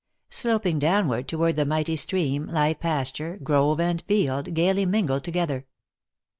Sloping downward toward the mighty stream, lie pasture, grove and field, gaily mingled to gether.